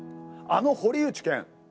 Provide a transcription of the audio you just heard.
あの堀内健。